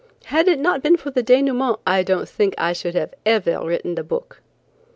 Had it not been for the denouement I don't think that I should ever have written the book."